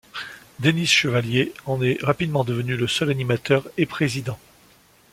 Denys Chevalier en est rapidement devenu le seul animateur et président.